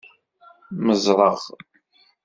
Mmeẓreɣ.